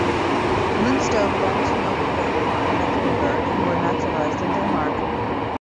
Linstow belonged to a noble family from Mecklenburg who were naturalized in Denmark.